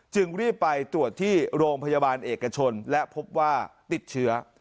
จึงรีบไปตรวจที่โรงพยาบาลเอกชนและพบว่าติดเชื้อ